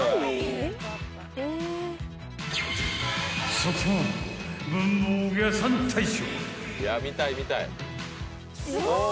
速報、文房具屋さん大賞。